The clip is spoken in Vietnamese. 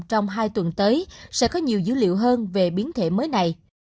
trong hai tuần tới sẽ có nhiều dữ liệu hơn về biến thể mới này